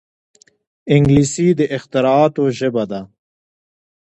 انګلیسي د اختراعاتو ژبه ده